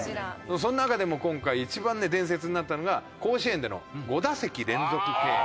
その中でも今回一番ね伝説になったのが甲子園での５打席連続敬遠。